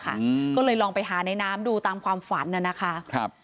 อืมก็เลยลองไปหาในน้ำดูตามความฝันน่ะนะคะครับ